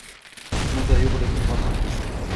متى يُغلق المطعم ؟